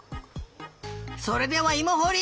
それではいもほり！